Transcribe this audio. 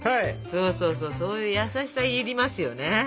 そうそうそうそういう優しさ要りますよね。